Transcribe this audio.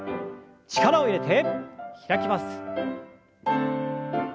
力を入れて開きます。